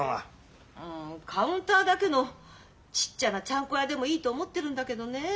カウンターだけのちっちゃなちゃんこ屋でもいいと思ってるんだけどねえ。